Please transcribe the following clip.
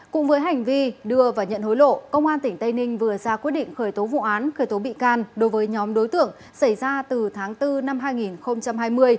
cùng với hành vi đưa và nhận hối lộ công an tỉnh tây ninh vừa ra quyết định khởi tố vụ án khởi tố bị can đối với nhóm đối tượng xảy ra từ tháng bốn năm hai nghìn hai mươi